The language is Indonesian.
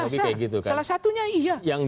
bisa salah satunya iya